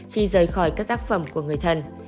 khi rời khỏi các tác phẩm của người thân